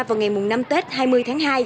vào ngày năm tết hai mươi tháng hai